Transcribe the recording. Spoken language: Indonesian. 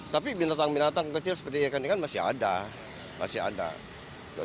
tapi binatang binatang kecil seperti ikan ikan masih ada